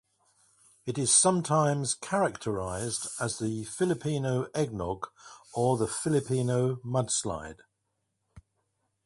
It is sometimes characterized as the "Filipino eggnog" or the "Filipino mudslide".